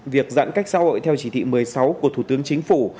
việc giãn cách xã hội theo chỉ thị một mươi sáu của thủ tướng chính phủ